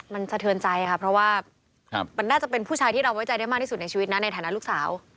มันสะเทือนใจค่ะเพราะว่ามันน่าจะเป็นผู้ชายที่เราไว้ใจได้มากที่สุดในชีวิตนะในฐานะลูกสาว